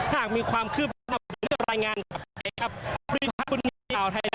หากมีความคืบข้าวเรียนรายงานกับผู้ชมครับ